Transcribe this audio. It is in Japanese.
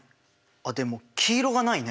あっでも黄色がないね。